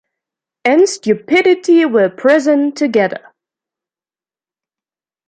and stupidity were present together